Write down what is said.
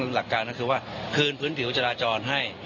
หลักการก็คือว่าคืนพื้นผิวจราจรให้